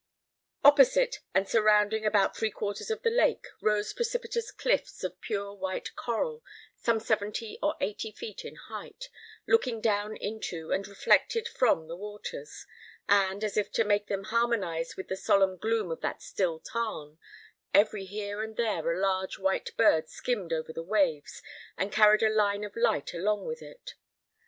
Opposite, and surrounding about three quarters of the lake, rose precipitous cliffs of pure white coral, some seventy or eighty feet in height, looking down into, and reflected from the waters; and, as if to make them harmonise with the solemn gloom of that still tarn, every here and there a large white bird skimmed over the waves, and carried a line of light along with it.